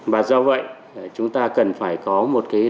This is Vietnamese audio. và do vậy chúng ta cần phải có một cái đảm bảo